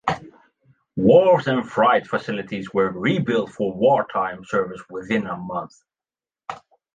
Wharves and freight facilities were rebuilt for wartime service within a month.